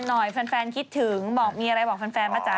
พี่นุมฝากแฟนน่อยแฟนคิดถึงบอกมีอะไรบอกแฟนปะจ๊ะ